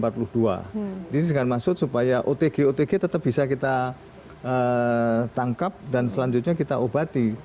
jadi ini dengan maksud supaya otg otg tetap bisa kita tangkap dan selanjutnya kita obati